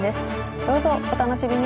どうぞお楽しみに！